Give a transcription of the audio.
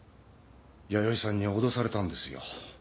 弥生さんに脅されたんですよ。